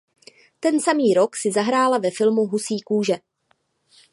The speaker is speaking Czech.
Ten samý rok si zahrála ve filmu "Husí kůže".